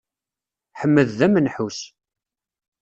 Ḥmed d amenḥus.